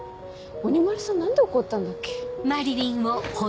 鬼丸さん何で怒ったんだっけ？